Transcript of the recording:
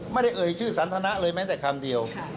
เอ่ยชื่อสันทนะเลยแม้แต่คำเดียว